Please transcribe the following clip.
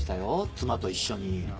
妻と一緒に。